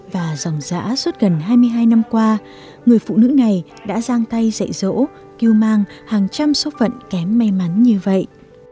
và dòng giã suốt gần hai mươi hai năm qua người phụ nữ này đã giang tay dạy dỗ kêu mang hàng trăm số phận kém may mắn như vậy